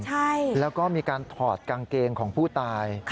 ใช่แล้วก็มีการถอดกางเกงของผู้ตาย